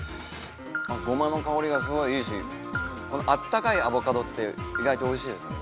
ゴマの香りがすごいいいし温かいアボカドって意外とおいしいですね。